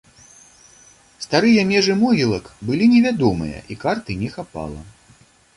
Старыя межы могілак былі невядомыя і карты не хапала.